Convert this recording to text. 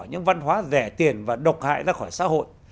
những văn hóa rẻ tiền và độc hại ra khỏi xã hội